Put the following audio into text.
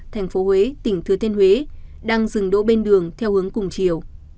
thành phố huế tỉnh thừa thiên huế đang dừng đỗ bên đường theo hướng cùng chiều